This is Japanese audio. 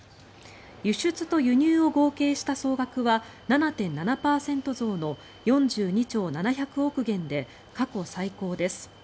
輸出と輸入を合計した総額は７．７％増の４２兆７００億元で過去最高です。